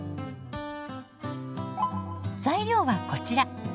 材料はこちら。